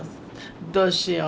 どうしよう。